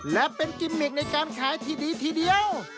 และเป็นกิมมิกในการขายที่ดีทีเดียว